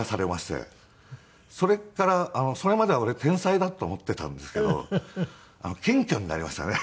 それまでは俺天才だと思っていたんですけど謙虚になりましたね